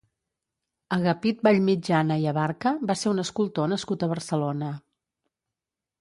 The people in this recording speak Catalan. Agapit Vallmitjana i Abarca va ser un escultor nascut a Barcelona.